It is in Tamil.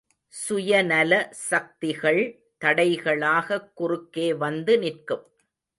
சுயநல சக்திகள் தடைகளாகக் குறுக்கே வந்து நிற்கும்.